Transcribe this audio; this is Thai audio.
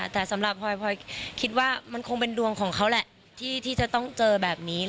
แต่สำหรับพลอยคิดว่ามันคงเป็นดวงของเขาแหละที่จะต้องเจอแบบนี้